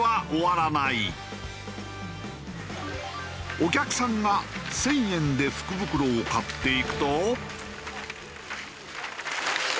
お客さんが１０００円で福袋を買っていくと。